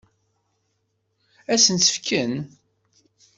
Ad sent-tt-fken?